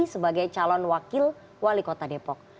sebagai calon wakil wali kota depok